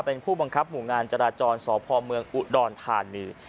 เป็นผู้บังคับหมู่งานจราจรสพเมืองอุดรธานี